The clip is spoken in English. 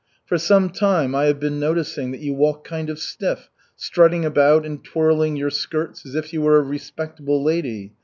"For some time I have been noticing that you walk kind of stiff, strutting about and twirling your skirts as if you were a respectable lady!